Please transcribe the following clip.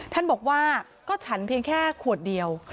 ท่านบอกว่าก็ฉันเพียงแค่ขวดเดียว